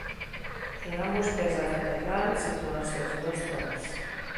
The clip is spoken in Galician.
En ambos pés da catedral sitúanse as dúas torres.